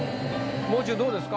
もう中どうですか？